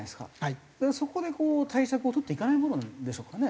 そこで対策を取っていかないものなんでしょうかね。